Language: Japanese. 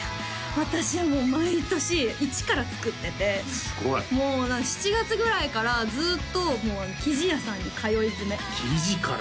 私はもう毎年一から作っててすごいもう７月ぐらいからずっと生地屋さんに通いづめ生地から？